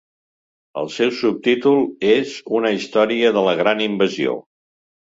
El seu subtítol és "Una Història de la Gran Invasió".